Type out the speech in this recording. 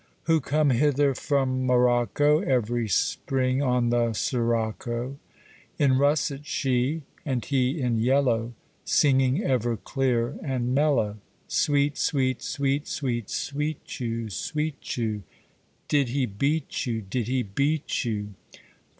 Who come hither from Morocco Every spring on the sirocco? In russet she, and he in yellow, Singing ever clear and mellow, 'Sweet, sweet, sweet, sweet, sweet you, sweet you, Did he beat you? Did he beat you?'